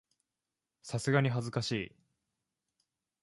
さすがに恥ずかしい